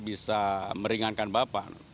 bisa meringankan bapak